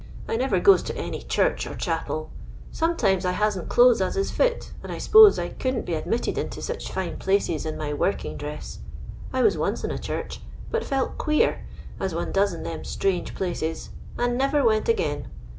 " I never goes to any church or chapel. Some times I hasn't clothes as is fit, and I s'pose I couldn't be admitted into sich fine places in my working dress. I was once in a church, but felt queer, as one does in them strange places, and never went again.